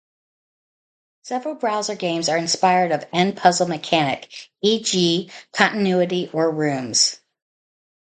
Several browser games are inspired of n-puzzle mechanic, e.g., Continuity or Rooms.